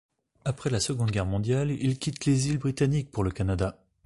Après la seconde Guerre mondiale, il quitte les Îles Britanniques pour le Canada.